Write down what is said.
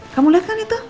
kamu liat kan itu